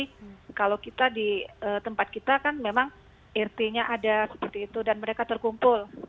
karena kalau kita di tempat kita kan memang irt nya ada seperti itu dan mereka terkumpul